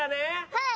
はい！